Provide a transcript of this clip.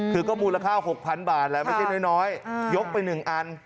คือก็มูลค่า๖๐๐๐บาทแหละไม่ใช่น้อยยกไป๑อัน